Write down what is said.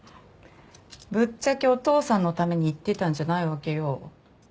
ぶっちゃけお父さんのために行ってたんじゃないわけよ。